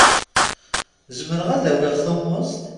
Zemreɣ ad awiɣ tummeẓt?